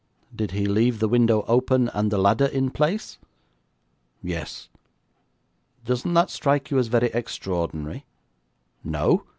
'Did he leave the window open, and the ladder in place?' 'Yes.' 'Doesn't that strike you as very extraordinary?' 'No.